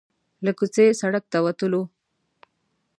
له کوڅې سړک ته وتلو.